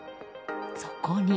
そこに。